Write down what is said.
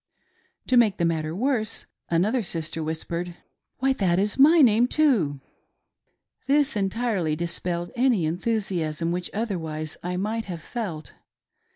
To make the matter worse, another sister whispered :" Why that is my name too." This entirely dispelled any enthusiasm which otherwise I might have felt.